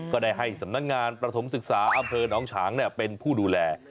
ก็ได้ให้สำนักงานประถมศึกษาอำเภอน้องฉางเป็นผู้ดูแล